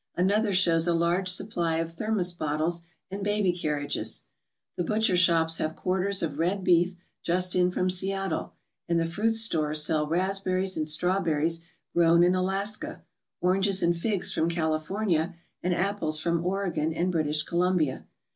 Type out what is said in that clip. Another shows a large supply of thermos bottles and baby carriages. The butcher shops have quarters of red beef just in from Seattle, and the fruit stores sell raspberries and strawberries grown in Alaska, oranges and figs from California, and apples from Oregon and British Columbia.